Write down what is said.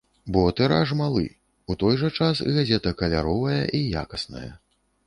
Бо тыраж малы, у той жа час газета каляровая і якасная.